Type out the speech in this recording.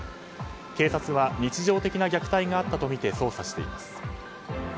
警察は日常的な虐待があったとみて捜査しています。